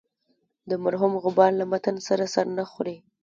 د مرحوم غبار له متن سره سر نه خوري.